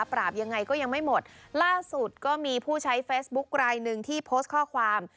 ยังไงก็ยังไม่หมดล่าสุดก็มีผู้ใช้เฟซบุ๊คลายหนึ่งที่โพสต์ข้อความ